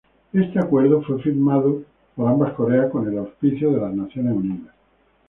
Este acuerdo fue firmado por ambas Coreas con el auspicio de las Naciones Unidas.